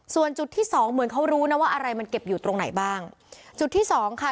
ส่วนจุดที่สองเหมือนเขารู้นะว่าอะไรมันเก็บอยู่ตรงไหนบ้างจุดที่สองค่ะ